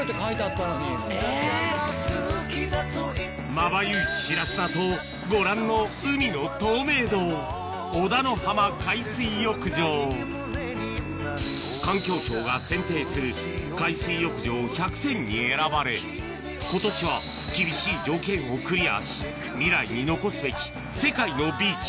まばゆい白砂とご覧の海の透明度環境省が選定する今年は厳しい条件をクリアし未来に残すべき世界のビーチ